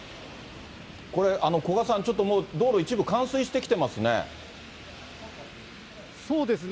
これ、こがさん、ちょっともう道路一部、冠水してきてますね。